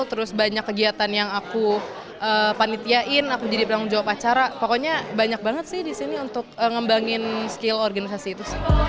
terus banyak kegiatan yang aku panitiain aku jadi penanggung jawab acara pokoknya banyak banget sih di sini untuk ngembangin skill organisasi itu